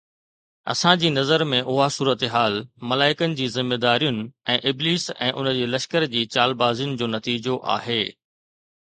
اسان جي نظر ۾ اها صورتحال ملائڪن جي ذميدارين ۽ ابليس ۽ ان جي لشڪر جي چالبازين جو نتيجو آهي.